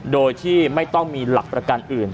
โดยที่ไม่ต้องมีหลักประกันอื่น